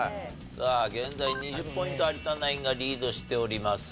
さあ現在２０ポイント有田ナインがリードしております。